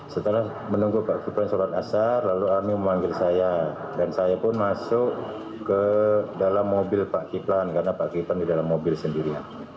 setelah menunggu pak kiplan surat asar lalu ami memanggil saya dan saya pun masuk ke dalam mobil pak kiplan karena pak kiplan di dalam mobil sendiri